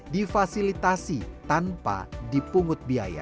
difasilitasi tanpa dipungut biaya